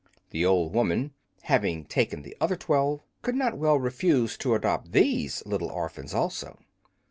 The old woman, having taken the other twelve, could not well refuse to adopt these little orphans also.